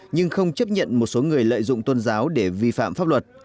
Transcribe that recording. nhưng không chấp nhận một số người lợi dụng tôn giáo để vi phạm pháp luật